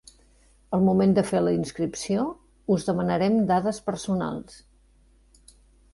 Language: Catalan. Al moment de fer la inscripció, us demanarem dades personals.